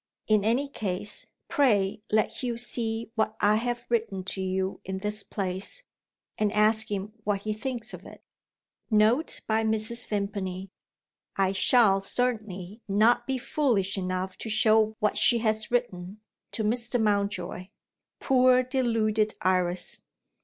In any case, pray let Hugh see what I have written to you in this place, and ask him what he thinks of it.* *_Note by Mrs. Vimpany._ I shall certainly not be foolish enough to show what she has written to Mr. Mountjoy. Poor deluded Iris!